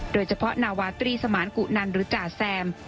โดยเฉพาะนาวาตรีสมานกุนันหรือจ่าแซม